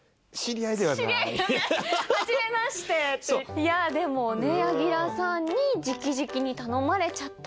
いやでもね柳楽さんに直々に頼まれちゃったら。